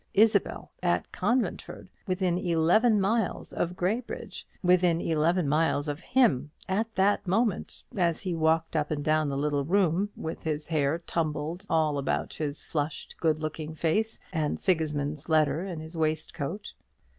Isabel at Conventford within eleven miles of Graybridge; within eleven miles of him at that moment, as he walked up and down the little room, with his hair tumbled all about his flushed good looking face, and Sigismund's letter in his waistcoat!